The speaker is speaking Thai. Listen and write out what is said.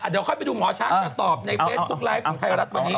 เดี๋ยวค่อยไปดูหมอช้างจะตอบในเฟสทุกรายของไทยรัฐมานี้